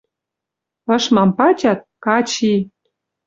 Ышмам пачат, кач и!